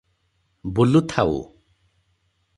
ବୁଲୁଥାଉ ।"